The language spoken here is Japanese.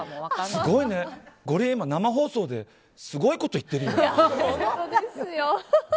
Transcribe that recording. すごいね、ゴリエ今生放送ですごいこと言ってるよね。